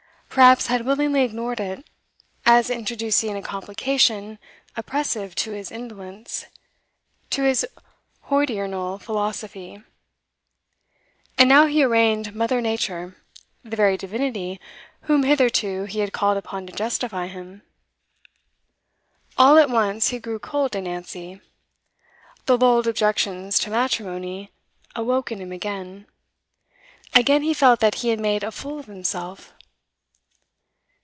Perhaps had willingly ignored it, as introducing a complication oppressive to his indolence, to his hodiernal philosophy. And now he arraigned mother nature, the very divinity whom hitherto he had called upon to justify him. All at once he grew cold to Nancy. The lulled objections to matrimony awoke in him again; again he felt that he had made a fool of himself.